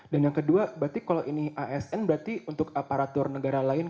dan yang kedua berarti kalau ini asn berarti untuk aparatur negara lain